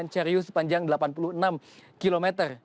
serius sepanjang delapan puluh enam km